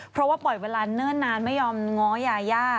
เพราะว่าปล่อยเวลาเนิ่นนานไม่ยอมง้อยาย่า